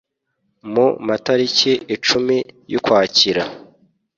mu matariki icumi y'ukwakira